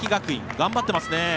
頑張っていますね。